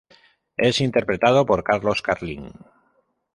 Es interpretado por Carlos Carlín.